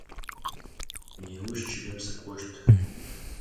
Nêuş çılem sık'oşt.